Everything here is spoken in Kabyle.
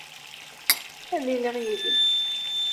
Ad iliɣ yid-m.